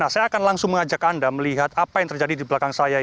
saya tidak tahu apa yang terjadi di belakang saya